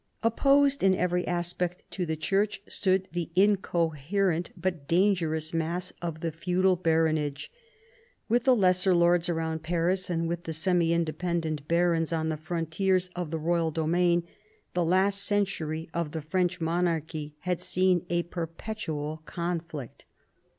Opposed in every aspect to the Church stood the incoherent but dangerous mass of the feudal baronage. With the lesser lords around Paris, and with the semi independent barons on the frontiers of the royal domain, the last century of the French monarchy had seen a per petual conflict.